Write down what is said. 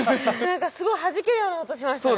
すごいはじけるような音しましたね。